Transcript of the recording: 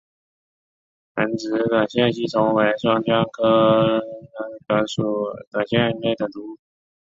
横殖短腺吸虫为双腔科短腺属的动物。